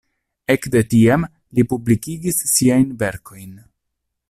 Ekde tiam li publikigis siajn verkojn.